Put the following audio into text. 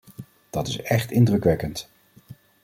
Dat is echt indrukwekkend!